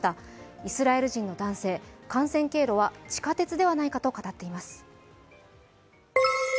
イスラエル人の男性、感染経路は地下鉄ではないかと語っています。